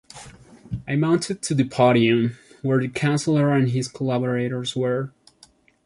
I mounted to the podium, where the Chancellor and his collaborators were.